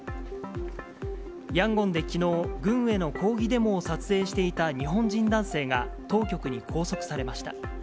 ヤンゴンできのう、軍への抗議デモを撮影していた日本人男性が、当局に拘束されました。